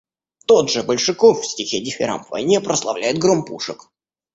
Тот же Большаков в стихе «Дифирамб войне» прославляет гром пушек.